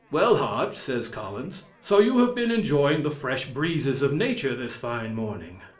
"Well, Hodge," says Collins, "so you have been enjoying the fresh breezes of nature, this fine morning."